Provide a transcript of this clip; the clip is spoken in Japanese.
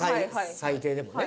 最低でもね。